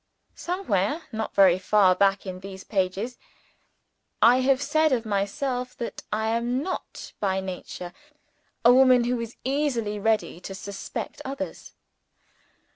Somewhere not very far back in these pages I have said of myself that I am not by nature a woman who is easily ready to suspect others.